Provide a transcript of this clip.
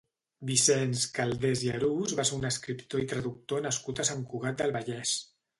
Vicenç Caldés i Arús va ser un escriptor i traductor nascut a Sant Cugat del Vallès.